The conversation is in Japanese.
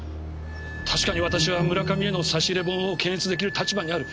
確かに私は村上への差し入れ本を検閲できる立場にある。